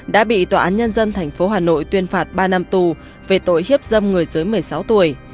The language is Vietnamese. đã bị tòa án nhân dân tp hà nội tuyên phạt ba năm tù về tội hiếp dâm người dưới một mươi sáu tuổi